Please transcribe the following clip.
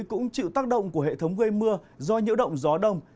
cũng chịu tác động của hệ thống gây mưa do nhiễu động gió đông